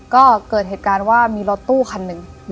ก็เกิดเหตุการณ์ว่ามีรถตู้คันหนึ่ง